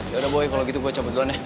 yaudah boy kalau gitu gue cabut duluan ya